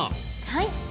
はい。